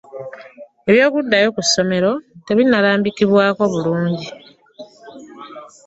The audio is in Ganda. Ebyokudaayo ku somero tebinalambikibwa bulungi.